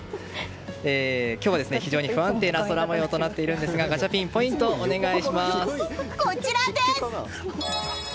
今日は非常に、不安定な空模様となっているんですがガチャピン、ポイントをこちらです！